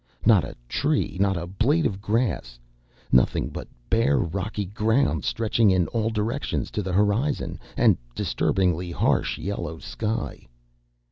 Not a tree, not a blade of grass; nothing but bare, rocky ground stretching in all directions to the horizon and disturbingly harsh yellow sky.